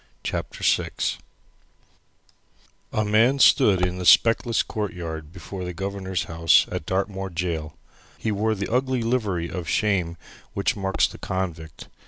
CHAPTER VI A Man stood in the speckless courtyard before the Governor's house at Dartmoor gaol. He wore the ugly livery of shame which marks the convict.